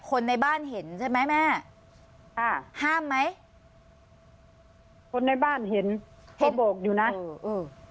คนในบ้านเห็นใช่ไหมแม่อ่าห้ามไหมคนในบ้านเห็นเขาบอกอยู่นะเออเออ